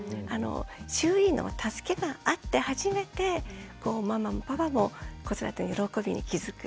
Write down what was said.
周囲の助けがあって初めてこうママもパパも子育ての喜びに気付く。